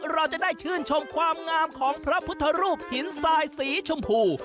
เราจะได้ชื่นชมความงามของพระพุทธรูปหินทรายสีชมพู